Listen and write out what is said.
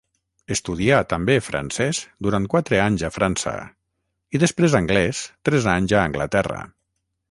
Estudià també francès durant quatre anys a França, i després anglès tres anys a Anglaterra.